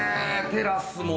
テラスも。